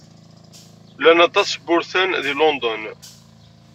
Llan aṭas n wurtan deg London.